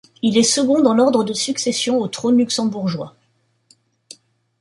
Il est second dans l'ordre de succession au trône luxembourgeois.